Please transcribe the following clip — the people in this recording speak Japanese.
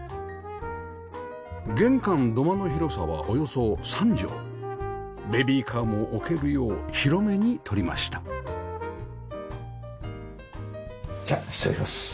玄関土間の広さはおよそ３畳ベビーカーも置けるよう広めに取りましたじゃ失礼します。